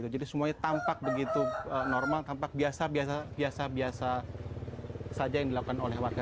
semuanya tampak begitu normal tampak biasa biasa saja yang dilakukan oleh warga